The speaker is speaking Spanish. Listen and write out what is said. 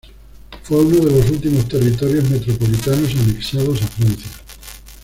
Fue uno de los últimos territorios metropolitanos anexados a Francia.